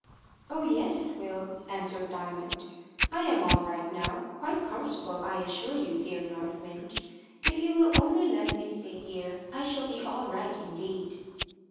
"Oh yes, it will," answered Diamond. "I am all right now quite comfortable, I assure you, dear North Wind. If you will only let me stay here, I shall be all right indeed."